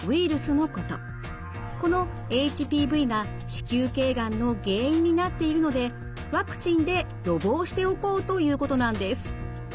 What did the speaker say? このＨＰＶが子宮頸がんの原因になっているのでワクチンで予防しておこうということなんです。